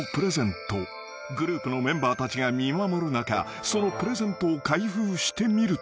［グループのメンバーたちが見守る中そのプレゼントを開封してみると］